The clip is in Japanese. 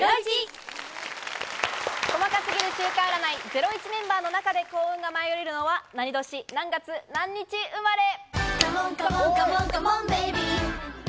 『ゼロイチ』メンバーの中で幸運が舞い降りるのは何年何月何日生まれ。